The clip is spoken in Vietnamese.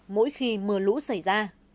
mỗi khi mưa lũ xảy ra